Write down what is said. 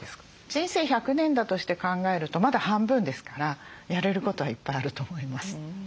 人生１００年だとして考えるとまだ半分ですからやれることはいっぱいあると思います。